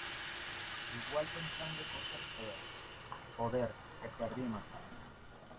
igual pensando cosas feas... joder, que se arrima .